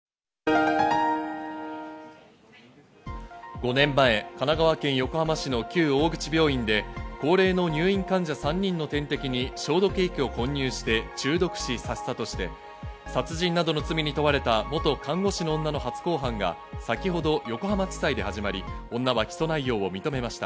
５年前、神奈川県横浜市の旧大口病院で、高齢の入院患者３人の点滴に消毒液を混入して中毒死させたとして、殺人などの罪に問われた元看護師の女の初公判が先ほど横浜地裁で始まり、女は起訴内容を認めました。